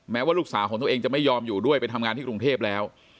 ว่าลูกสาวของตัวเองจะไม่ยอมอยู่ด้วยไปทำงานที่กรุงเทพแล้ว